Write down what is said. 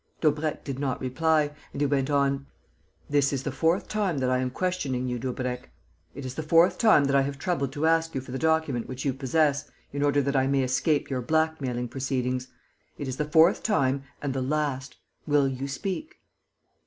Daubrecq did not reply; and he went on: "This is the fourth time that I am questioning you, Daubrecq. It is the fourth time that I have troubled to ask you for the document which you possess, in order that I may escape your blackmailing proceedings. It is the fourth time and the last. Will you speak?"